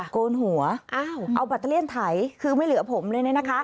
โกนหัวเอาบัตเตอร์เลี่ยนไถคือไม่เหลือผมเลยนะคะ